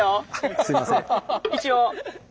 すいません。